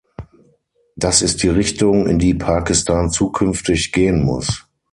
Das ist die Richtung, in die Pakistan zukünftig gehen muss.